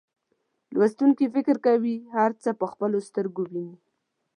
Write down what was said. لوستونکي فکر کوي هر څه په خپلو سترګو ویني.